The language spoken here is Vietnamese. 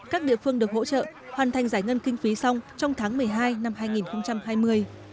các địa phương được hỗ trợ hoàn thành giải ngân kinh phí xong trong tháng một mươi hai năm hai nghìn hai mươi